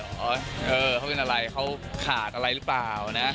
เออเขาเป็นอะไรเขาขาดอะไรหรือเปล่านะ